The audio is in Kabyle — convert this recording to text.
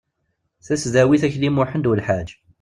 tasdawit akli muḥend ulḥaǧ